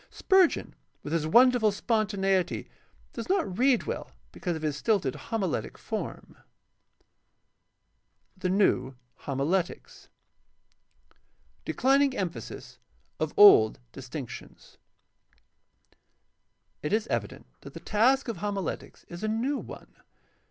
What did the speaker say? Spurgeon, with his wonderful spontaneity, does not read well, because of his stilted homiletic form. 592 GUIDE TO STUDY OF CHRISTIAN RELIGION 8. THE NEW HOMILETICS Declining emphasis of old distinctions. — It is evident that the task of homiletics is a new one.